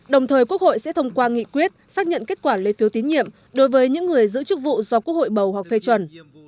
đồng thời quốc hội sẽ thông qua nghị quyết xác nhận kết quả lấy phiếu tín nhiệm đối với những người giữ chức vụ do quốc hội bầu hoặc phê chuẩn